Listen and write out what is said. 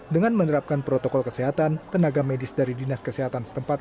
dengan menerapkan protokol kesehatan tenaga medis dari dinas kesehatan setempat